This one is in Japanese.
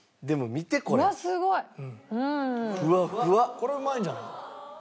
これはうまいんじゃないの？